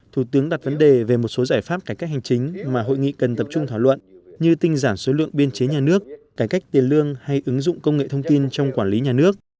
thủ tướng đặt vấn đề về một số giải pháp cải cách hành chính mà hội nghị cần tập trung thảo luận như tinh giảm số lượng biên chế nhà nước cải cách tiền lương hay ứng dụng công nghệ thông tin trong quản lý nhà nước